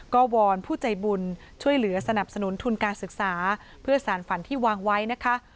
ก็วอนผู้ใจบุญช่วยเหลือสนับสนุนทุนการศึกษาเพื่อสารฝันที่วางไว้นะคะ